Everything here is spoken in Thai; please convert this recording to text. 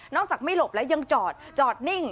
จากไม่หลบแล้วยังจอดจอดนิ่ง